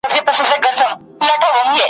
خو بلوړ که مات سي ډیري یې ټوټې وي ,